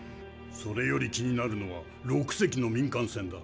それより気になるのは６隻の民間船だ。